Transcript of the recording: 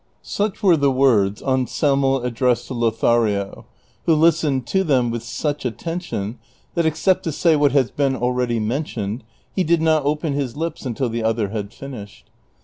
Such were the words Anselmo addressed to Lothario, who listened to them with such attention that, excejat to say what has been already mentioned, he did not open his lips until the other had finished.